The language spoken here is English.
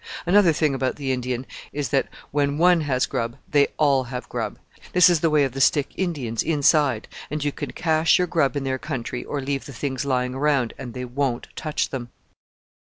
Another thing about the Indian is that when one has grub they all have grub. This is the way of the Stick Indians inside, and you can cache your grub in their country or leave the things lying around, and they won't touch them."